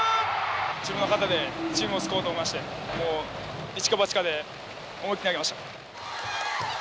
自分の肩でチームを救おうと思いましてもう一か八かで思い切り投げました。